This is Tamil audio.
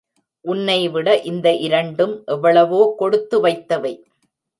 உன்னைவிட இந்த இரண்டும் எவ்வளவோ கொடுத்து வைத்தவை.